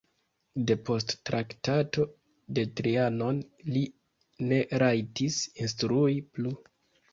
Depost Traktato de Trianon li ne rajtis instrui plu.